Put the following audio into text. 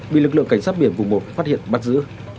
bị lực lượng cảnh sát biển vùng một phát hiện bắt giữ